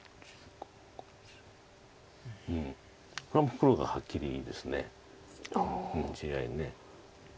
これはもう黒がはっきりいいです地合い。